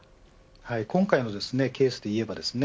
今回のケースで言えばですね